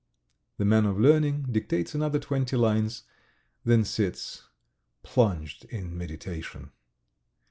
The man of learning dictates another twenty lines, then sits plunged in meditation.